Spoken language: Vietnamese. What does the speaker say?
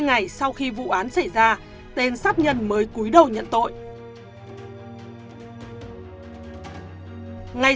ngay sau khi tạ văn chiến ký vào biên bản khai nhận hành vi phạm tội tạ văn chiến đã được đặt vào trung tâm